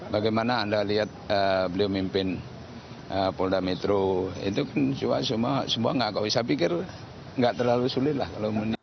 bagaimana anda lihat beliau mimpin polda metro itu semua tidak terlalu sulit